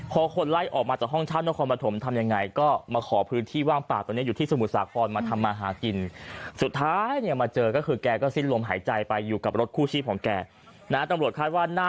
พอคนไล่ออกมาจากห้องเช่านครปฐมทำยังไงก็มาขอพื้นที่ว่างปากตรงนี้อยู่ที่สมุทรสาครมาทำมาหากิน